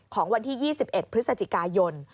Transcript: ของวันที่๒๑พฤศจิกายน